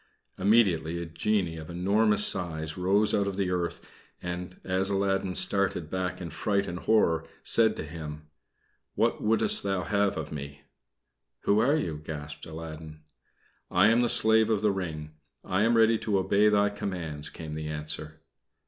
Immediately a genie of enormous size rose out of the earth, and, as Aladdin started back in fright and horror, said to him: "What wouldst thou have of me?" "Who are you?" gasped Aladdin. "I am the slave of the ring. I am ready to obey thy commands," came the answer.